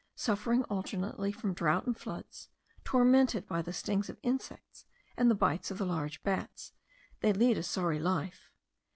Suffering alternately from drought and floods, tormented by the stings of insects and the bites of the large bats, they lead a sorry life.